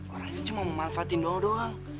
orang tuh cuma memanfaatin doang doang